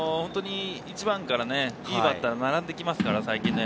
１番からいいバッターが並んできましたから。